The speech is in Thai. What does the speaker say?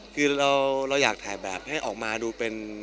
คือเราอยากถ่ายแบบให้ออกมาดูเป็น